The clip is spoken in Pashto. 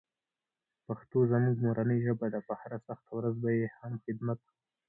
پښتو زموږ مورنۍ ژبه ده، په هره سخته ورځ به یې هم خدمت کوو.